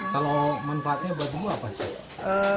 kalau manfaatnya buat ibu apa sih